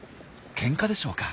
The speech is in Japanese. ケンカでしょうか？